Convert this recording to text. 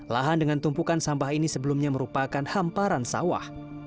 lahan dengan tumpukan sampah ini sebelumnya merupakan hamparan sawah